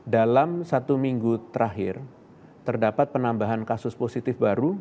dalam satu minggu terakhir terdapat penambahan kasus positif baru